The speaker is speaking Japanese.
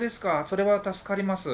それは助かります。